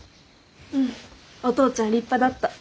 うんお父ちゃん立派だった。